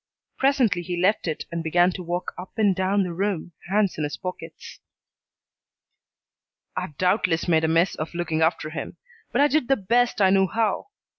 Presently he left it and began to walk up and down the room, hands in his pockets. "I've doubtless made a mess of looking after him, but I did the best I knew how.